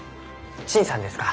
陳さんですか。